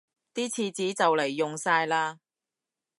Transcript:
啲廁紙就黎用晒喇